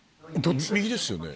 右ですよね？